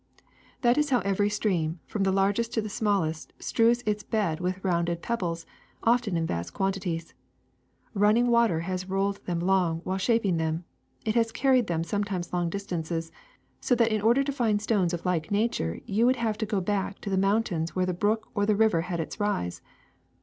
^^ That is how every stream, from the largest to the smallest, strews its bed with rounded pebbles, often in vast quantities. Running water has rolled them along while shaping them ; it has carried them some times long distances, so that in order to find stones of like nature you would have to go back to the moun tains where the brook or the river had its rise.